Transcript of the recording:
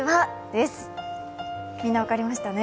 みんな分かりましたね。